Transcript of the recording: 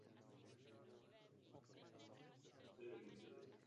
Část pozemku hřbitova zabralo Uměleckoprůmyslové muzeum.